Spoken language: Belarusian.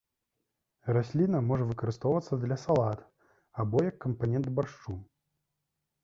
Расліна можа выкарыстоўвацца для салат або як кампанент баршчу.